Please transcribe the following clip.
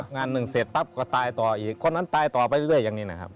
งานหนึ่งเสร็จปั๊บก็ตายต่ออีกคนนั้นตายต่อไปเรื่อยอย่างนี้นะครับ